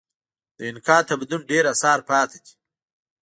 د اینکا تمدن ډېر اثار پاتې دي.